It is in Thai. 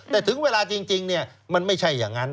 แต่ถึงเวลาจริงมันไม่ใช่อย่างนั้น